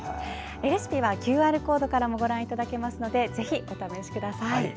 レシピはＱＲコードからもご覧いただけるのでぜひお試しください。